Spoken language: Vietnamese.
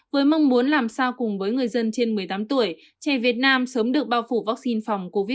với mong muốn làm sao cùng với người dân trên một mươi tám tuổi trẻ việt nam sớm được bao phủ vaccine phòng covid một mươi chín